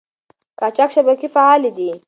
قاچاق شبکې فعالې دي.